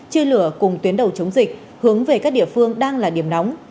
chia lửa cùng tuyến đầu chống dịch hướng về các địa phương đang là điểm nóng